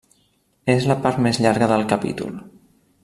És la part més llarga del capítol.